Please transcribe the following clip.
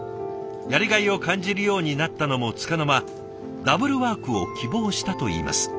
やりがいを感じるようになったのもつかの間ダブルワークを希望したといいます。